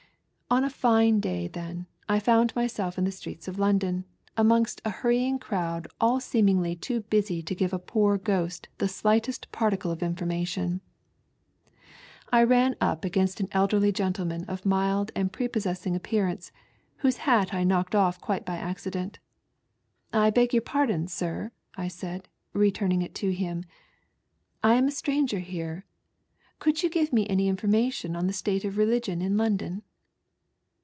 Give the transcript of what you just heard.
One fine day then, I foimd myself in the streets of London, amonget a hurrying crowd nil seemingly too busy to give a poor ghost the slightest particle of information. I ran up agaiust an elderly gentleman of mild and prepossessing appearance, whose hat I knocked off quite by accident; "I beg yom' pardon, sir," said I, returning it to him, " I am a stranger here, could you give me any information on the state of religion in London